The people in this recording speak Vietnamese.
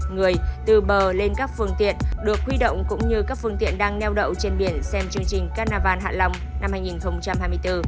người từ bờ lên các phương tiện được huy động cũng như các phương tiện đang neo đậu trên biển xem chương trình carnival hạ long năm hai nghìn hai mươi bốn